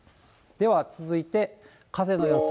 では、続いて風の予想。